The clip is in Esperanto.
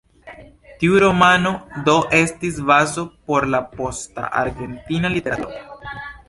Tiu romano, do, estis bazo por la posta argentina literaturo.